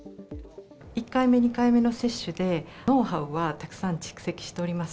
１回目、２回目の接種で、ノウハウはたくさん蓄積しております。